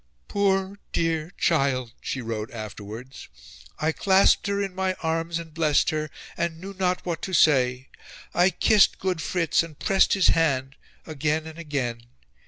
"Poor dear child!" she wrote afterwards. "I clasped her in my arms and blessed her, and knew not what to say. I kissed good Fritz and pressed his hand again and again.